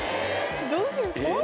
どういう事？